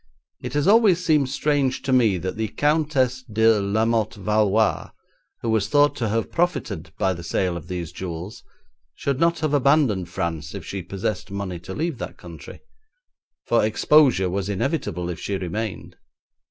It has always seemed strange to me that the Countess de Lamotte Valois, who was thought to have profited by the sale of these jewels, should not have abandoned France if she possessed money to leave that country, for exposure was inevitable if she remained.